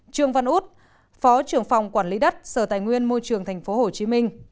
trương văn út phó trưởng phòng quản lý đất sở tài nguyên môi trường tp hcm